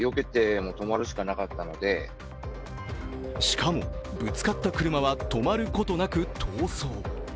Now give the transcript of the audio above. しかも、ぶつかった車は止まることなく逃走。